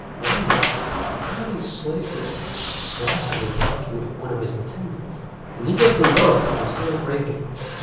One day he caught a slave girl laughing and talking with one of his attendants, and gave them both a sound rating.